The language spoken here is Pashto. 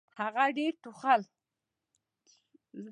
هغه ډېر ټوخل .